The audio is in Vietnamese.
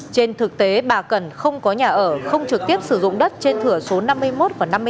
trên thực tế bà cẩn không có nhà ở không trực tiếp sử dụng đất trên thừa số năm mươi một và năm mươi hai